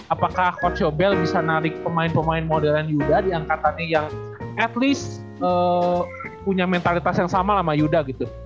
apakah coach yobel bisa narik pemain pemain modern yuda di angkatannya yang at least punya mentalitas yang sama sama yuda gitu